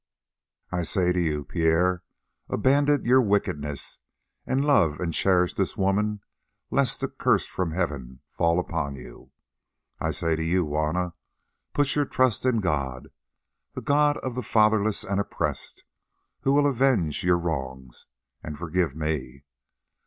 I say to you, Pierre, abandon your wickedness, and love and cherish this woman, lest a curse from heaven fall upon you. I say to you, Juanna, put your trust in God, the God of the fatherless and oppressed, who will avenge your wrongs—and forgive me.